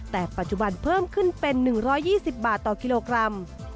แต่ปัจจุบันเพิ่มขึ้นเป็น๑๒๐บาทต่อกิโลกรัม